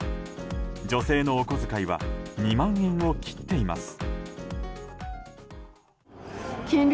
女性のお小遣いは２万円を切っています。